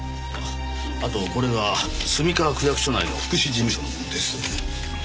あとこれが墨川区役所内の福祉事務所のものです。